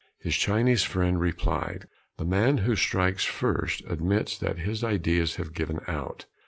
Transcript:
His Chinese friend replied: "The man who strikes first admits that his ideas have given out."